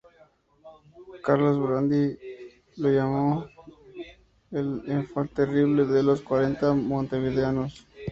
Carlos Brandy lo llamó el "enfant terrible" de los cuarenta montevideanos.